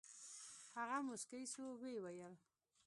هغه موسكى سو ويې ويل.